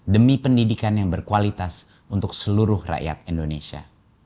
demi pendidikan yang berkualitas untuk seluruh rakyat indonesia